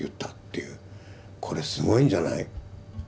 これすごいんじゃない？